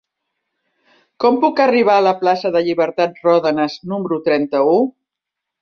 Com puc arribar a la plaça de Llibertat Ròdenas número trenta-u?